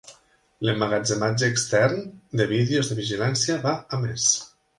L'emmagatzematge extern de vídeos de vigilància va a més.